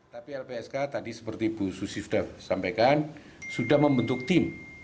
tapi lpsk tadi seperti bu susi sudah sampaikan sudah membentuk tim